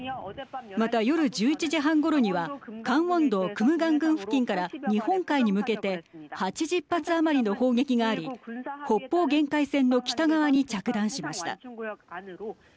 また、夜１１時半ごろにはカンウォン道クムガン郡付近から日本海に向けて８０発余りの砲撃があり、北方限界線の北側に着弾しました。